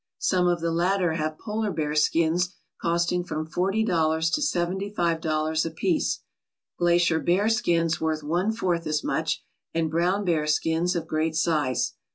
Some of the latter have polar bear skins costing from forty dollars to seventy five dollars apiece, glacier bear skins worth one fourth as much, and brown bear skins of great size.